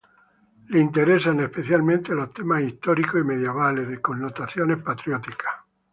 Le interesan especialmente los temas históricos y medievales, de connotaciones patrióticas.